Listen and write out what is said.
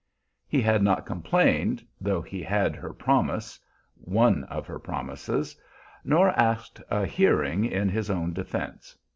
He had not complained, though he had her promise, one of her promises, nor asked a hearing in his own defense.